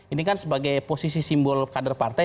ini kan sebagai posisi simbol kader partai